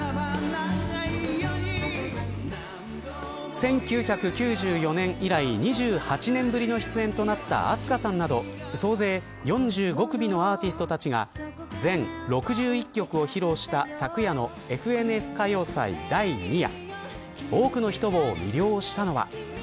１９９４年以来２８年ぶりの出演となったＡＳＫＡさんなど総勢４５組のアーティストたちが全６１曲を披露した昨夜の昨日、放送されたＦＮＳ歌謡祭、第２夜。